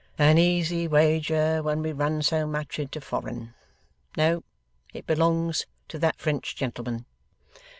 'An easy wager, when we run so much into foreign! No, it belongs to that French gentleman.